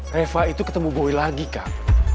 reva itu ketemu gue lagi kak